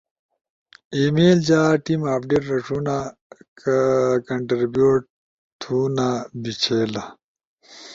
ای میل جا ٹیم اپڈیٹ رݜونا۔ کہ و کنٹربیوٹ تھونو بیچھیلا،